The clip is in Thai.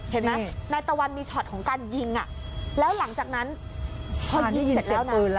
เห็นไหมนายตะวันมีช็อตของการยิงอ่ะแล้วหลังจากนั้นพอยิงเสร็จแล้วนะ